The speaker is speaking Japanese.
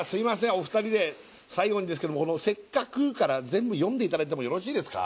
お二人で最後にですけれども「せっかく」から全部読んでいただいてもよろしいですか？